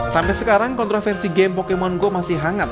sampai sekarang kontroversi game pokemon go masih hangat